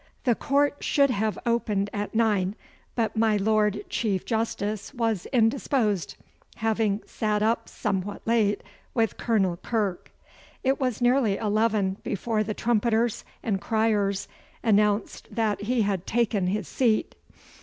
The court should have opened at nine, but my Lord Chief Justice was indisposed, having sat up somewhat late with Colonel Kirke. It was nearly eleven before the trumpeters and criers announced that he had taken his seat.